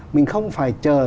mình không phải chờ